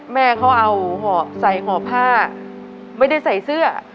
แม่เขาเอาห่อใส่ห่อผ้าไม่ได้ใส่เสื้อ